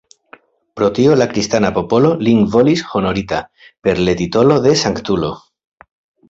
Pro tio la kristana popolo lin volis honorita per le titolo de Sanktulo.